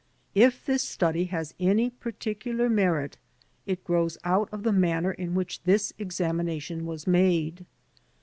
If this study has any particular merit it grows out of the manner in which this aitthor's preface U examination was made.